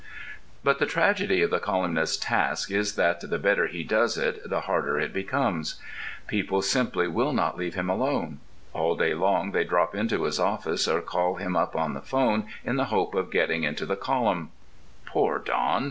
But the tragedy of the colyumist's task is that the better he does it the harder it becomes. People simply will not leave him alone. All day long they drop into his office, or call him up on the phone in the hope of getting into the column. Poor Don!